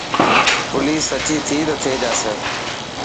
پوليس سچي ٿي ته ٿي جاسي.